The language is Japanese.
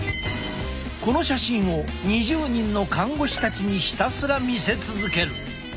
この写真を２０人の看護師たちにひたすら見せ続ける。